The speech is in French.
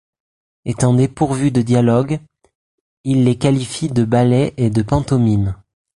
Étant dépourvus de dialogue, il les qualifie de ballets et de pantomimes.